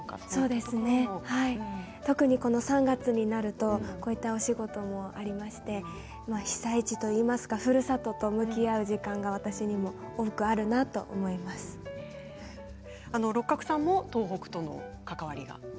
そうですね、特にこの３月になるとこういったお仕事もありまして被災地と言いますかふるさとと向き合う時間が六角さんも東北との関わりが。